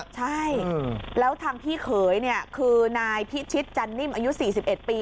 ใช่แล้วทางพี่เขยคือนายพิชิตจันนิ่มอายุ๔๑ปี